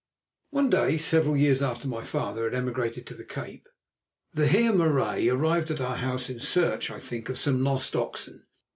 One day, several years after my father had emigrated to the Cape, the Heer Marais arrived at our house in search, I think, of some lost oxen.